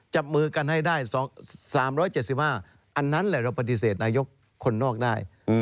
จับมือกันให้ได้๓๗๕อันนั้นแหละเราปฏิเสธนายกคนนอกได้